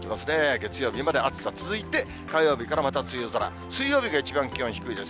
月曜日まで暑さ続いて、火曜からまた梅雨空、水曜日が一番、気温低いです。